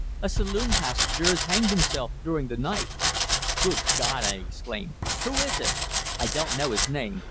"A saloon passenger has hanged himself during the night." "Good God!" I exclaimed. "Who is it?" "I don't know his name.